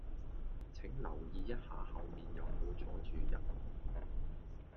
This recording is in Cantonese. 請留意一下後面有無阻住人